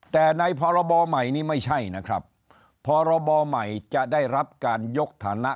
แต่ในพรบใหม่นี่ไม่ใช่นะครับพรบใหม่จะได้รับการยกฐานะ